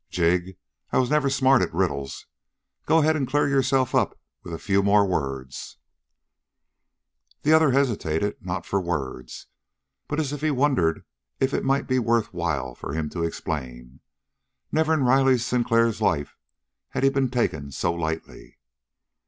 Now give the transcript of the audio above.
"Jig, I was never smart at riddles. Go ahead and clear yourself up with a few more words." The other hesitated not for words, but as if he wondered if it might be worth while for him to explain. Never in Riley Sinclair's life had he been taken so lightly.